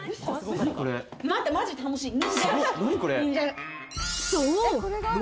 マジで楽しい。